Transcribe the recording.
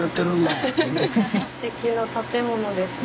すてきな建物ですね。